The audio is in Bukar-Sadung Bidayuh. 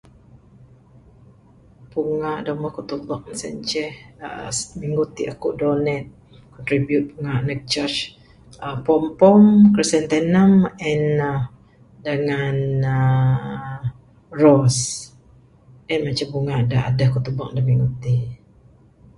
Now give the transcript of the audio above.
Bungak da mbuh kuk tebuk sien ceh, minggu tik akuk donate, contribute bungak ndug church. uhh Pompom, chisentenun and uhh dengan uhh ros. En mah ceh bunga da aduh kuk tebuk da minggu tik.